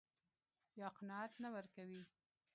يا قناعت نه ورکوي.